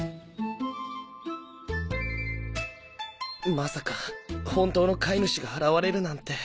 まさか本当の飼い主が現れるなんて。